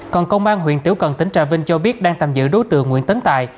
còn công an huyện tiểu cần tỉnh trà vinh cho biết đang tạm giữ đối tượng nguyễn tấn tài